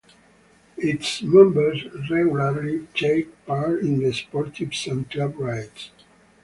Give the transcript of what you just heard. Its members regularly take part in sportives and club rides.